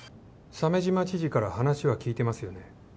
鮫島知事から話は聞いてますよね？